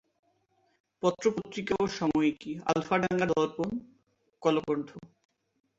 পত্র-পত্রিকা ও সাময়িকী আলফাডাঙ্গা দর্পণ, কলকণ্ঠ।